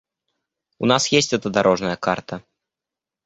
У нас есть эта дорожная карта.